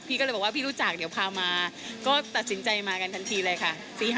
ก็เลยบอกว่าพี่รู้จักเดี๋ยวพามาก็ตัดสินใจมากันทันทีเลยค่ะ